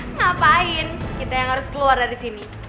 ngapain kita yang harus keluar dari sini